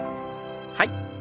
はい。